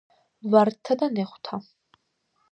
ვარდთა და ნეხვთა